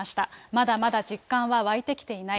まだまだ実感は湧いてきていない。